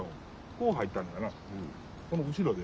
こう入ったんだなこの後ろで。